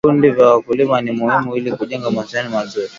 Vikundi vya wakulima ni muhimu ili kujenga mahusiano mazuri